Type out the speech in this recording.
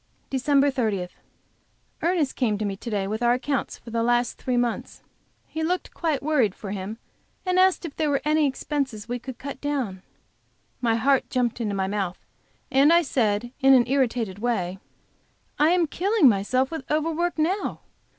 DECEMBER 30. Ernest came to me to day with our accounts for the last three months. He looked quite worried, for him, and asked me if there were any expenses we could cut down. My heart jumped up into my mouth, and I said in an irritated way: "I am killing myself with over work now.